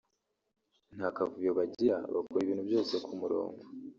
nta kavuyo bagira bakora ibintu byose ku murongo